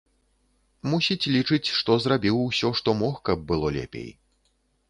Мусіць, лічыць, што зрабіў усё, што мог, каб было лепей.